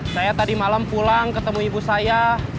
saya tadi malam pulang ketemu ibu saya